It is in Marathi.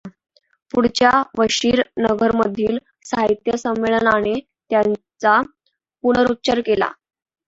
पुढच्या वषीर् नगरमधील साहित्य संमेलनाने त्याचा पुनरुच्चार केला.